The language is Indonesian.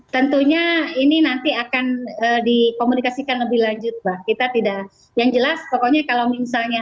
tentunya ini nanti akan dikomunikasikan lebih lanjut pak kita tidak yang jelas pokoknya kalau misalnya